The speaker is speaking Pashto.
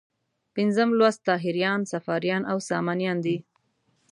پنځم لوست طاهریان، صفاریان او سامانیان دي.